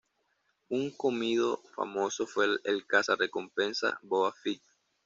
Un "comido" famoso fue el caza recompensas Boba Fett.